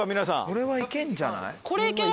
これはいけんじゃない？